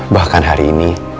bahkan hari ini